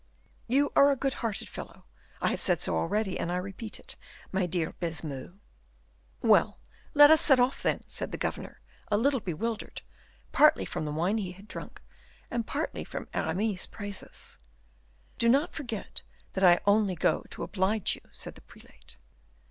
"You are a good hearted fellow; I have said so already, and I repeat it, my dear Baisemeaux." "Well, let us set off, then," said the governor, a little bewildered, partly from the wine he had drunk, and partly from Aramis's praises. "Do not forget that I only go to oblige you," said the prelate.